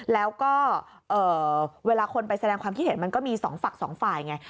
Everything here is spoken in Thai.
แล้วก็เวลาคนไปแสดงความคิดเห็นมันก็มีสองฝั่งสองฝ่ายไง